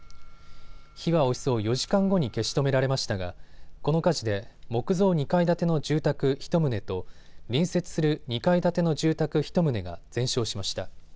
火はおよそ４時間後に消し止められましたがこの火事で木造２階建ての住宅１棟と隣接する２階建ての住宅１棟が全焼しました。